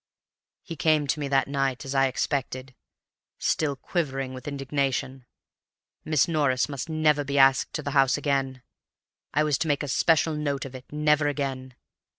"He came to me that night, as I expected, still quivering with indignation. Miss Norris must never be asked to the house again; I was to make a special note of it; never again.